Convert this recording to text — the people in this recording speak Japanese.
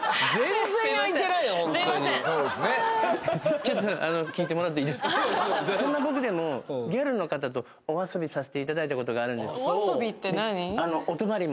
ちょっと聞いてもらっていいですかこんな僕でもギャルの方とお遊びさせていただいたことがあるんです・お遊びって何？